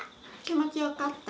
気持ちよかった？